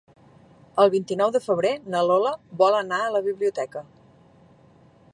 El vint-i-nou de febrer na Lola vol anar a la biblioteca.